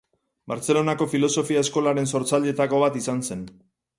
Bartzelonako Filosofia Eskolaren sortzaileetako bat izan zen.